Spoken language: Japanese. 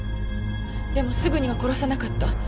でもすぐには殺さなかった。